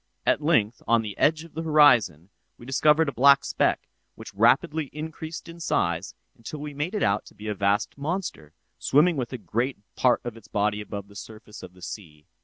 At length, on the edge of the horizon, we discovered a black speck, which rapidly increased in size until we made it out to be a vast monster, swimming with a great part of its body above the surface of the sea.